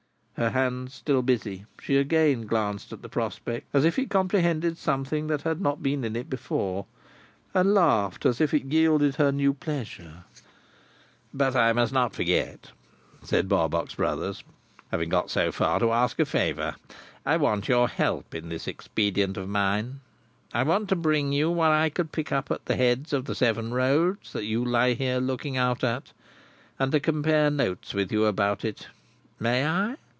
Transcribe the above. Her hands still busy, she again glanced at the prospect, as if it comprehended something that had not been in it before, and laughed as if it yielded her new pleasure. "But I must not forget," said Barbox Brothers, "(having got so far) to ask a favour. I want your help in this expedient of mine. I want to bring you what I pick up at the heads of the seven roads that you lie here looking out at, and to compare notes with you about it. May I?